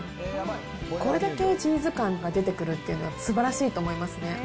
これだけチーズ感が出てくるっていうのは、すばらしいと思います